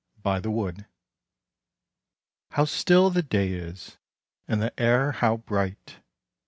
IV. BY THE WOOD How still the day is, and the air how bright!